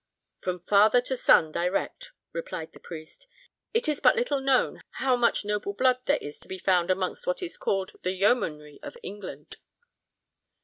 "From father to son direct," replied the priest. "It is but little known how much noble blood there is to be found amongst what is called the yeomanry of England.